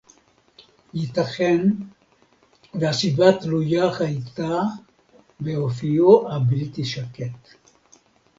יִתָּכֵן וְהַסִּבָּה תְּלוּיָה הָיְתָה בְּאָפְיוֹ הַבִּלְתִּי שָׁקֵט